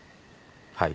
はい？